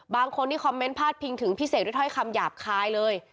บางคนที่คอมเมนต์พาดพิงถึงพี่เสกด้วยถ้อยคำหยาบคายเลย